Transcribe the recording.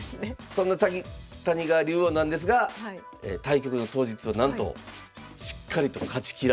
そんな谷川竜王なんですが対局の当日はなんとしっかりと勝ちきられたと。